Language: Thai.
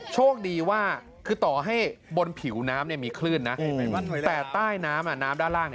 โชคดีว่าคือต่อให้บนผิวน้ำมีคลื่นนะแต่ใต้น้ำน้ำด้านล่าง